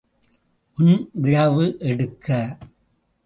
உன் இழவு எடுக்க.